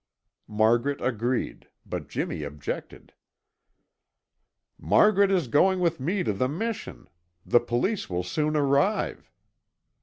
Margaret agreed, but Jimmy objected. "Margaret is going with me to the Mission. The police will soon arrive."